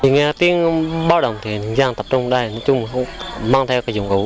nghe tiếng báo động thì dân tập trung đây nói chung mang theo cái dụng cụ